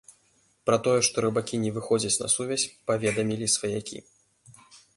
Пра тое, што рыбакі не выходзяць на сувязь, паведамілі сваякі.